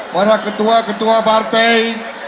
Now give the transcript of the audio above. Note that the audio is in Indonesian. para ketua ketua partai